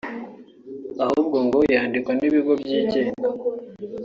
ahubwo ngo yandikwa n‘ibigo byigenga